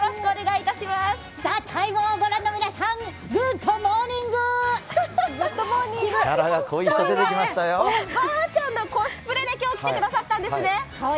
おばあちゃんのコスプレで今日、来てくださったんですね。